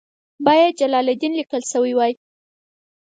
باید جلال الدین لیکل شوی وای.